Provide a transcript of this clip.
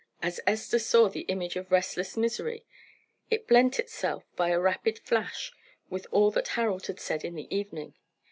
As Esther saw that image of restless misery, it blent itself by a rapid flash with all that Harold had said in the evening.